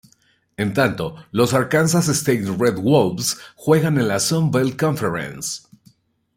En tanto, los Arkansas State Red Wolves juegan en la Sun Belt Conference.